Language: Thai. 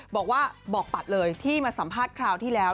บอกว่าบอกปัดเลยที่มาสัมภาษณ์คราวที่แล้ว